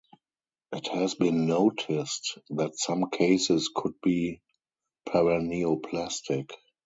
It has been noticed that some cases could be paraneoplastic.